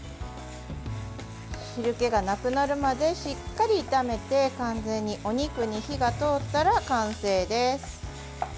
汁けがなくなるまでしっかり炒めて完全にお肉に火が通ったら完成です。